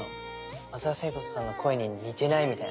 松田聖子さんの声に似てない？みたいな。